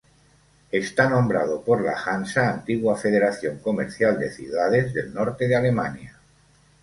Está nombrado por la Hansa, antigua federación comercial de ciudades del norte de Alemania.